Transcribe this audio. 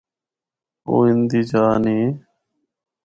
او اِن دی جآ نیں ۔